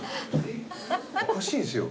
おかしいんすよ